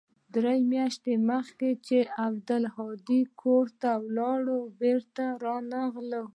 درې مياشتې مخکې چې عبدالهادي کور ته ولاړ بېرته رانغى.